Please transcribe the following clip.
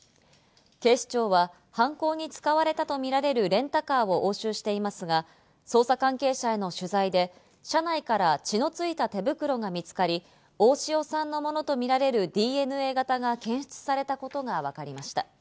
警視庁は犯行に使われたとみられるレンタカーを押収していますが、捜査関係者への取材で、車内から血のついた手袋が見つかり、大塩さんのものとみられるＤＮＡ型が検出されたことがわかりました。